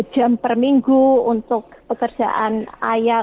dua puluh jam per minggu untuk pekerjaan ayah